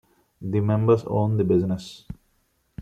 The members own the business.